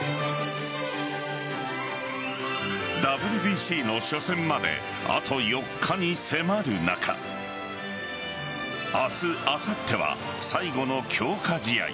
ＷＢＣの初戦まであと４日に迫る中明日、あさっては最後の強化試合。